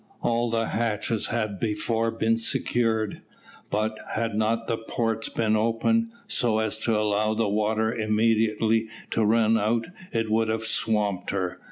All the hatches had before been secured; but, had not the ports been open, so as to allow the water immediately to run out, it would have swamped her.